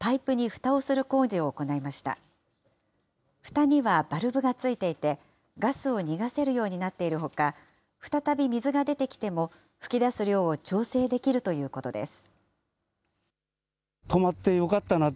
ふたにはバルブがついていて、ガスを逃がせるようになっているほか、再び水が出てきても噴き出す量を調整できるということです。